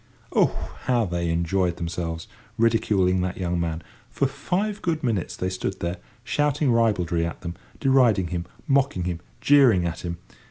Oh, how they enjoyed themselves, ridiculing that young man! For five good minutes they stood there, shouting ribaldry at him, deriding him, mocking him, jeering at him.